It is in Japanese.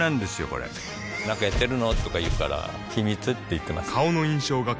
これなんかやってるの？とか言うから秘密って言ってます